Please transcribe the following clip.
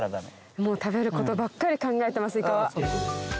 もう食べることばっかり考えてますいかは。